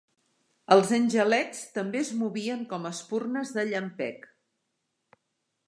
Els angelets també es movien com espurnes de llampec.